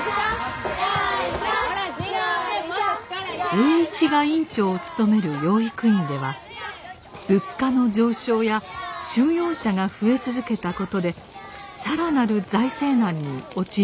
栄一が院長を務める養育院では物価の上昇や収容者が増え続けたことで更なる財政難に陥っていました。